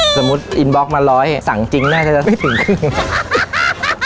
สมมุติอินบล็อกมาร้อยสั่งจริงน่าจะไม่ถึงครึ่ง